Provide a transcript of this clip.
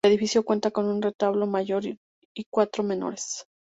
El edificio cuenta con un retablo mayor y cuatro menores.